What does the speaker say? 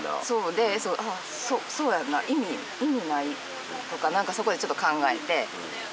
で「ああそうやんな」「意味意味ない」とかなんかそこでちょっと考えて。